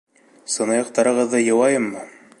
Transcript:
Сынаяҡтарығыҙҙы йыуайыммы?